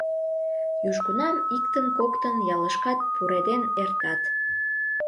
Южгунам иктын-коктын ялышкат пуреден эртат.